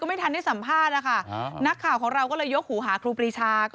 ไม่ทันได้สัมภาษณ์นะคะนักข่าวของเราก็เลยยกหูหาครูปรีชา